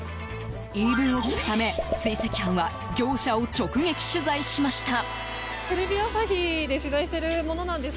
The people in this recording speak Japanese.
言い分を聞くため、追跡班は業者を直撃取材しました。